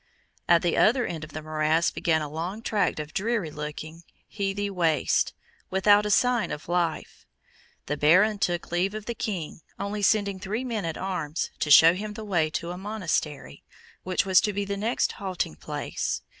At the other end of the morass began a long tract of dreary looking, heathy waste, without a sign of life. The Baron took leave of the King, only sending three men at arms, to show him the way to a monastery, which was to be the next halting place.